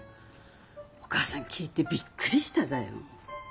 お母さん聞いてびっくりしただよ。